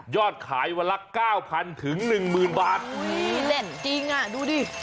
ยอดขายวันละ๙๐๐๐๑๐๐๐๐บาทเล่นจริงดูดิ